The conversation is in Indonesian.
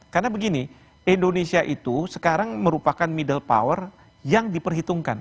karena begini indonesia itu sekarang merupakan middle power yang diperhitungkan